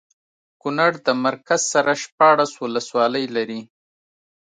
کونړ د مرکز سره شپاړس ولسوالۍ لري